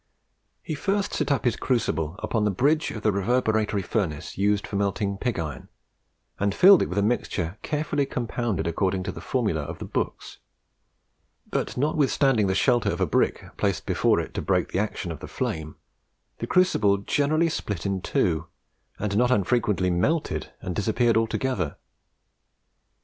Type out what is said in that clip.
He first set up his crucible upon the bridge of the reverberatory furnace used for melting pig iron, and filled it with a mixture carefully compounded according to the formula of the books; but, notwithstanding the shelter of a brick, placed before it to break the action of the flame, the crucible generally split in two, and not unfrequently melted and disappeared altogether.